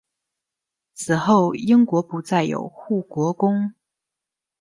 此后英国不再有护国公。